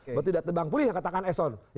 berarti datang bank pulih katakan eson